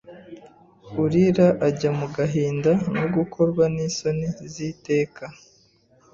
Urira ajya mu gahinda no gukorwa n'isoni z'iteka